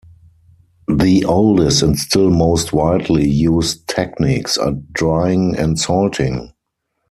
The oldest and still most widely used techniques are drying and salting.